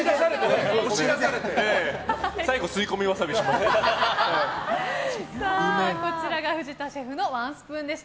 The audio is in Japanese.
最後、吸い込みワサビしました。